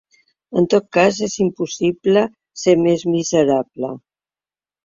En tot cas és impossible ser més miserable.